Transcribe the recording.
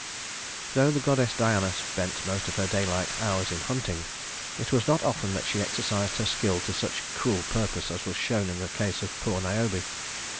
II Though the goddess Diana spent most of her daylight hours in hunting, it was not often that she exercised her skill to such cruel purpose as was shown in the case of poor Niobe.